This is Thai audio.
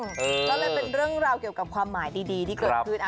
ก็เลยเป็นเรื่องราวเกี่ยวกับความหมายดีที่เกิดขึ้น